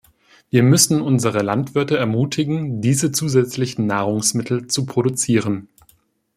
Wir müssen unsere Landwirte ermutigen, diese zusätzlichen Nahrungsmittel zu produzieren.